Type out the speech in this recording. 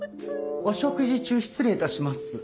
お食事中失礼致します。